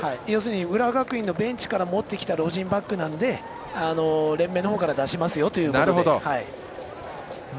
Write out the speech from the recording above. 浦和学院のベンチから持ってきたロジンバックなので連盟のほうから出しますよと。